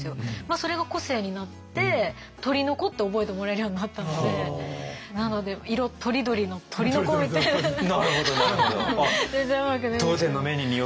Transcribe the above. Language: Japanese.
それが個性になって鳥の娘って覚えてもらえるようになったのでなので「色とりどり」の「鳥の娘」みたいな。なるほどなるほど。